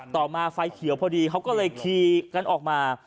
ต่อมาไฟเขียวพอดีเขาก็เลยขี่กันออกมา